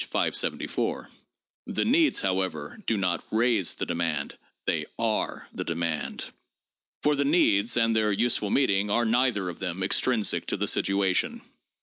574, the 'needs,' however, do not 'raise' the demand, they are the demand). For the 'needs' and their 'use fully meeting' are neither of them extrinsic to the situation.